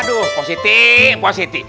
aduh mbak siti